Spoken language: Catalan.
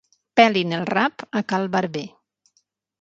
Pelin el rap a cal barber.